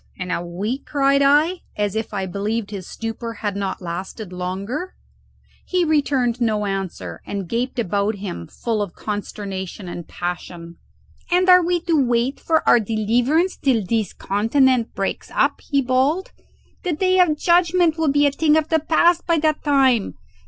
in a week?" cried I, as if I believed his stupor had not lasted longer. He returned no answer and gaped about him full of consternation and passion. "And are we to wait for our deliverance till this continent breaks up?" he bawled. "The day of judgment will be a thing of the past by that time.